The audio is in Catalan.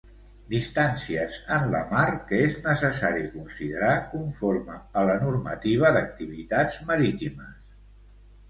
Distàncies en la mar que és necessari considerar conforme a la Normativa d'Activitats Marítimes.